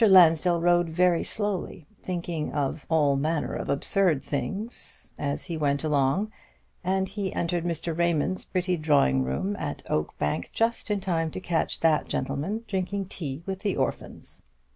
Lansdell rode very slowly, thinking of "all manner of absurd things" as he went along; and he entered Mr. Raymond's pretty drawing room at Oakbank just in time to catch that gentleman drinking tea with the orphans.